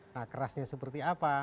nah kerasnya seperti apa